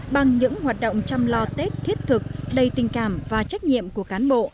bằng những hoạt động chăm lo tết thiết thực đầy tình cảm và trách nhiệm của cán bộ